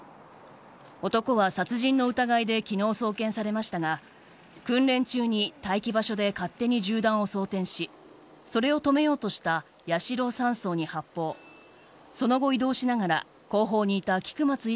男は殺人の疑いで昨日、送検されましたが訓練中に待機場所で勝手に銃弾を装填しそれを止めようとした八代３曹に発砲その後、移動しながら後方にいた菊松１